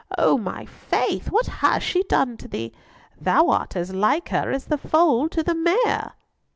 "On my faith, what has she done to thee? Thou art as like her as the foal to the mare."